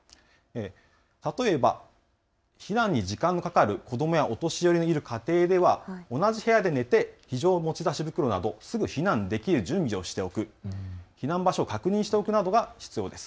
例えば避難に時間がかかる子どもやお年寄りがいる家庭では同じ部屋で寝て非常持ち出し袋などすぐに避難できる準備をしておく、避難場所を確認しておくなどが必要です。